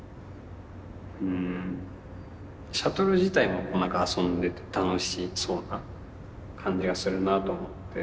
うんシャトル自体も遊んでて楽しそうな感じがするなと思って。